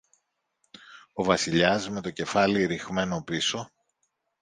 Ο Βασιλιάς, με το κεφάλι ριχμένο πίσω